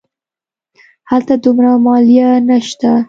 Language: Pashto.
هلته دومره مالیه نه شته.